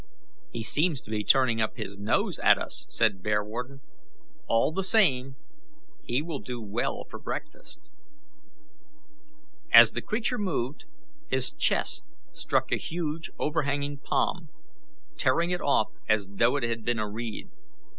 "He seems to be turning up his nose at us," said Bearwarden. "All the same, he will do well for breakfast." As the creature moved, his chest struck a huge overhanging palm, tearing it off as though it had been a reed.